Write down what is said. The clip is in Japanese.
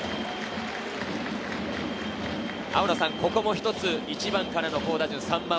ここも一つ１番からの好打順。